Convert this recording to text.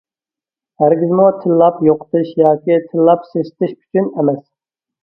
ھەرگىزمۇ تىللاپ يوقىتىش ياكى تىللاپ سېسىتىش ئۈچۈن ئەمەس.